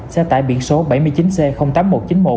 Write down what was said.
xe tải biển số bảy mươi chín c tám nghìn một trăm chín mươi một